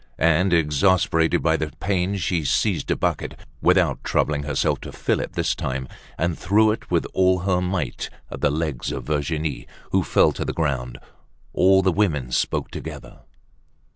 And, exasperated by the pain, she seized a bucket, without troubling herself to fill it this time, and threw it with all her might at the legs of Virginie, who fell to the ground. All the women spoke together.